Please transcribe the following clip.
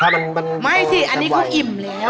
ไม่อย่างนี้อันนี้ก็อิ่มแล้ว